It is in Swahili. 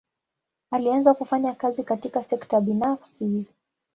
Alianza kufanya kazi katika sekta binafsi.